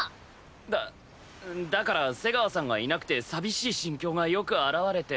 だだから瀬川さんがいなくて寂しい心境がよく表れて。